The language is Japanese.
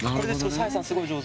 さあやさんすごい上手。